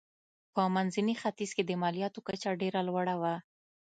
په منځني ختیځ کې د مالیاتو کچه ډېره لوړه وه.